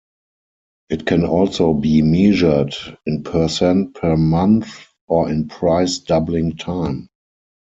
It can also be measured in percent per month or in price doubling time.